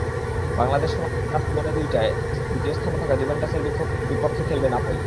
বাংলাদেশ সময় রাত পৌনে দুইটায় দ্বিতীয় স্থানে থাকা জুভেন্টাসের বিপক্ষে খেলবে নাপোলি।